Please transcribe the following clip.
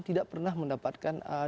tidak pernah mendapatkan